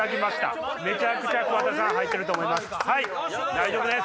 大丈夫です！